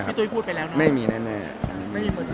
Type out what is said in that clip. พี่โต้ยพูดไปแล้วนะพี่โต้ยน่าต่อไป